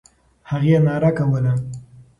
هغې ناره کوله.